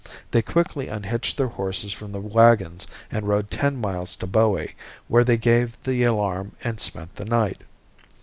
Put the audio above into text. They quickly unhitched their horses from the wagons and rode ten miles to Bowie where they gave the alarm and spent the night.